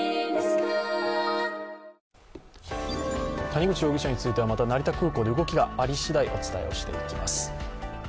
谷口容疑者については成田空港に動きがありしだいお伝えします。